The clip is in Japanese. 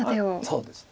そうです。